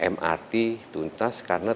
mrt tuntas karena